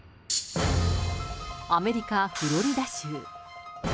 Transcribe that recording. アメリカ・フロリダ州。